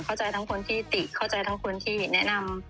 เข้าใจทั้งคนที่ติเข้าใจทั้งคนที่แนะนำ